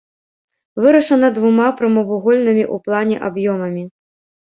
Вырашана двума прамавугольнымі ў плане аб'ёмамі.